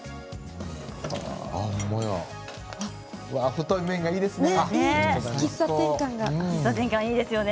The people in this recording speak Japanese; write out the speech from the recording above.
太麺がいいですね。